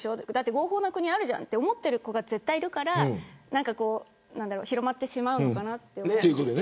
合法な国あるじゃんって思っている子が絶対にいるから広まってしまうのかなと思います。